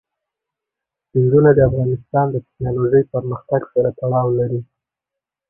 سیندونه د افغانستان د تکنالوژۍ پرمختګ سره تړاو لري.